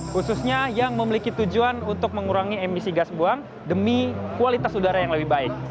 khususnya yang memiliki tujuan untuk mengurangi emisi gas buang demi kualitas udara yang lebih baik